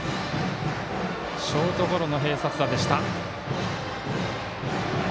ショートゴロの併殺打でした。